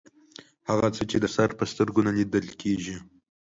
هغه څه چې د سر په سترګو نه لیدل کیږي